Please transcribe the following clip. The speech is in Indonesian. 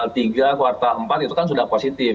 di kuartal tiga kuartal empat itu kan sudah positif